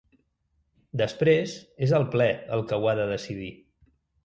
Després, és el ple el que ho ha de decidir.